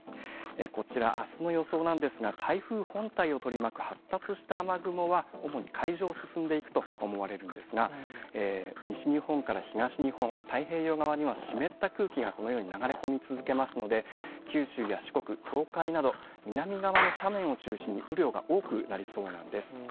こちら、あすの予想なんですが、台風本体を取り巻く発達した雨雲は、主に海上を進んでいくと思われるんですが、西日本から東日本、太平洋側には湿った空気がこのように流れ込み続けますので、九州や四国、東海など、南側の斜面を中心に雨量が多くなりそうなんです。